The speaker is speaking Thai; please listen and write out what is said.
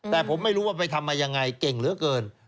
แต่ผมไม่รู้ว่าไปทำมายังไงเก่งเหลือเกิน